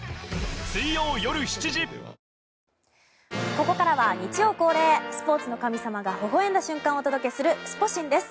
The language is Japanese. ここからは日曜恒例スポーツの神様がほほ笑んだ瞬間をお届けするスポ神です。